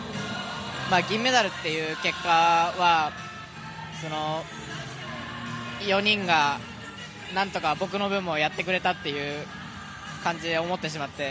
銀メダルという結果は４人が、何とか僕の分もやってくれたっていう感じに思ってしまって。